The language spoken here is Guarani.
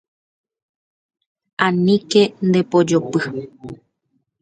Aníke ndepojopy.